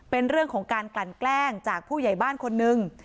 เป็นเรื่องของการกลั่นแกล้งจากผู้ใหญ่บ้านคนนึง